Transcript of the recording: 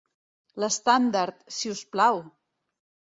L'estàndard, si us plau!